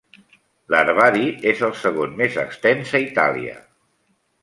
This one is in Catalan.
L'herbari és el segon més extens a Itàlia.